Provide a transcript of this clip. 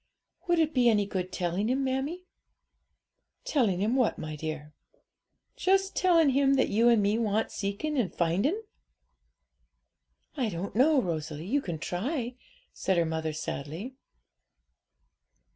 'Would it be any good telling Him, mammie?' 'Telling Him what, my dear?' 'Just telling Him that you and me want seeking and finding.' 'I don't know, Rosalie; you can try,' said her mother sadly.